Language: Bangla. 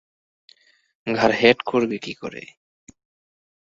ঘাড় হেঁট করবি কী করে।